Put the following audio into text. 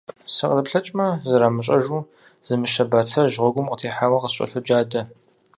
СыкъызэплъэкӀмэ, зэрамыщӀэжу зы мыщэ бацэжь гъуэгум къытехьауэ къыскӀэлъоджадэ.